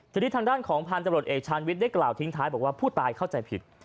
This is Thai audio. ทีนี้ทางด้านของพันธุ์ตำรวจเอกชาญวิทย์ได้กล่าวทิ้งท้ายบอกว่าผู้ตายเข้าใจผิด